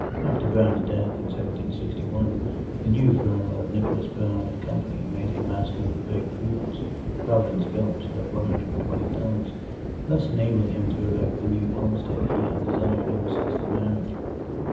After Brown's death in 1761, the new firm of Nicholas Brown & Company made him master of the brig Prudence, Providence built, of 120 tons, thus enabling him to erect the new homestead he had desired ever since his marriage.